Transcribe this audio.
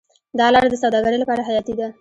دا لاره د سوداګرۍ لپاره حیاتي ده.